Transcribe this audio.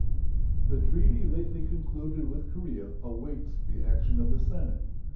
The treaty lately concluded with Korea awaits the action of the Senate.